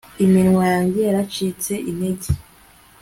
iminwa yanjye yaracitse intege